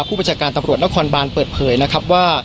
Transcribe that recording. ผู้บัญชาการตำรวจนครบานเปิดเผยนะครับว่า